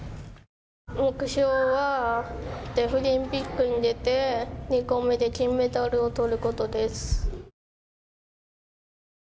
目標はデフリンピックに出て２個目で金メダルを取ることです。